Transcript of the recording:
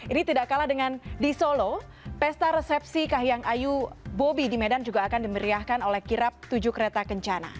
ini tidak kalah dengan di solo pesta resepsi kahiyang ayu bobi di medan juga akan dimeriahkan oleh kirap tujuh kereta kencana